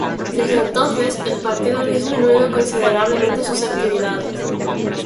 Desde entonces, el partido ha disminuido considerablemente sus actividades.